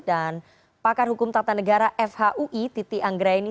dan pakar hukum tata negara fhui titi anggraini